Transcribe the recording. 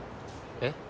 えっ？